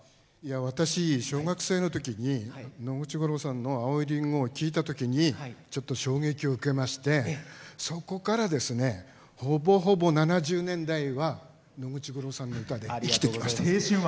私、小学生のときに野口五郎さん「青いリンゴ」を聴いたときにちょっと衝撃を受けましてそこから、ほぼほぼ７０年代は野口五郎さんの歌で生きてきました。